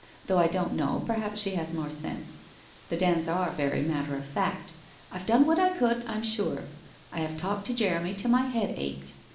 Though I don't know, perhaps she has more sense. The Dands are very matter of fact. I've done what I could, I'm sure. I have talked to Jeremy till my head ached.